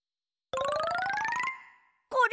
これ！